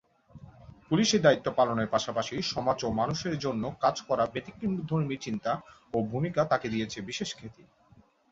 পুলিশি দায়িত্ব পালনের পাশাপাশি সমাজ ও মানুষের জন্য কাজ করা ব্যতিক্রমধর্মী চিন্তা ও ভূমিকা তাকে দিয়েছে বিশেষ খ্যাতি।